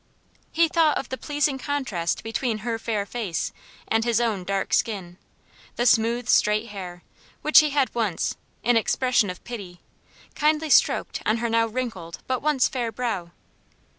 He thought of the pleasing contrast between her fair face and his own dark skin; the smooth, straight hair, which he had once, in expression of pity, kindly stroked on her now wrinkled but once fair brow.